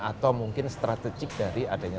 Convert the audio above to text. atau mungkin strategik dari adanya